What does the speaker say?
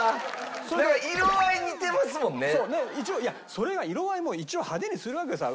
それが色合いも一応派手にするわけさ。